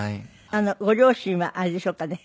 ご両親はあれでしょうかね。